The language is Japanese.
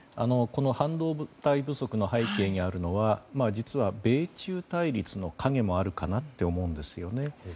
半導体不足の背景にあるのは実は、米中対立の影もあるかなと思うんですよね。